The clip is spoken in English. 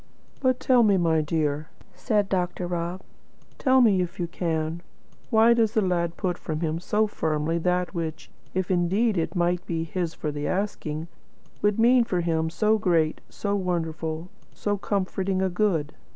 "But tell me, my dear," said Dr. Rob, "tell me, if you can: why does the lad put from him so firmly that which, if indeed it might be his for the asking, would mean for him so great, so wonderful, so comforting a good?"